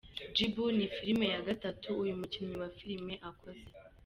Jibu” ni filime ya gatatu uyu mukinnyi wa filime akoze.